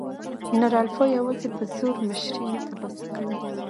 نر الفا یواځې په زور مشري نه تر لاسه کوي.